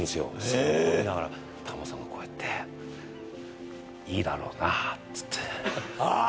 それを見ながらタモリさんがこうやっていいだろうなあっつってあー